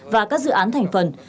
và các dự án thành phần